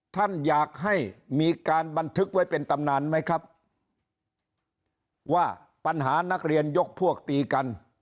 ท่านอยากให้มีการบันทึกไว้เป็นตำนานไหมครับว่าปัญหานักเรียนยกพวกตีกัน